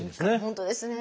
本当ですね。